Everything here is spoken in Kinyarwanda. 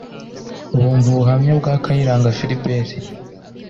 bumva ubuhamya bwa Kayiranga Philbert